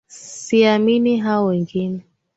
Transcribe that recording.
Siamini hao wengine